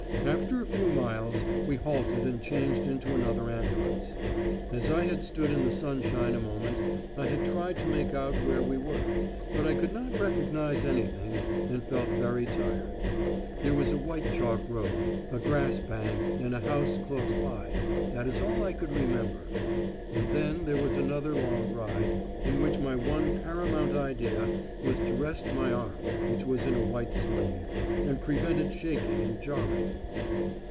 After a few miles, we halted and changed into another ambulance. As I had stood in the sunshine a moment, I had tried to make out where we were. But I could not recognise anything, and felt very tired. There was a white chalk road, a grass bank, and a house close by: that is all I could remember. And then there was another long ride, in which my one paramount idea was to rest my arm (which was in a white sling) and prevent it shaking and jarring.